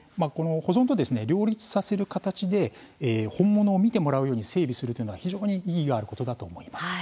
保存と両立させる形で本物を見てもらうように整備するというのは、非常に意義があることだと思います。